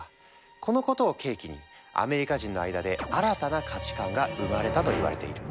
このことを契機にアメリカ人の間で新たな価値観が生まれたといわれている。